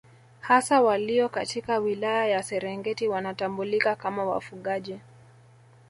Hasa walio katika wilaya ya Serengeti wanatambulika kama wafugaji